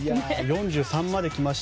４３まで来ました。